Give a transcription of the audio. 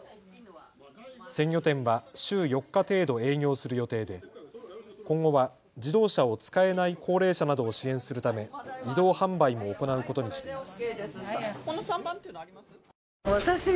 鮮魚店は週４日程度、営業する予定で今後は自動車を使えない高齢者などを支援するため移動販売も行うことにしています。